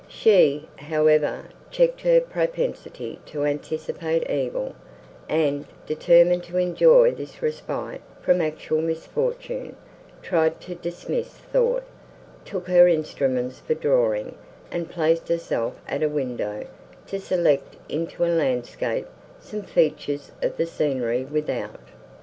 She, however, checked her propensity to anticipate evil; and, determined to enjoy this respite from actual misfortune, tried to dismiss thought, took her instruments for drawing, and placed herself at a window, to select into a landscape some features of the scenery without.